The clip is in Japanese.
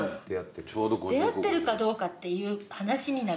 出会ってるかどうかっていう話になると。